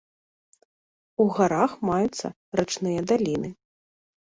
У гарах маюцца рачныя даліны.